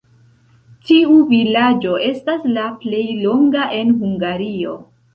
Tiu vilaĝo estas la plej longa en Hungario.